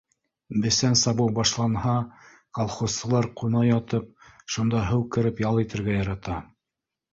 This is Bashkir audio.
Бесән сабыу башланһа, колхозсылар, ҡуна ятып, шунда һыу кереп, ял итергә ярата